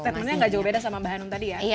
ternyata gak jauh beda sama mbak hanum tadi ya